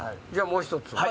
じゃあもうひとつ。